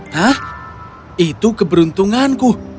hah itu keberuntunganku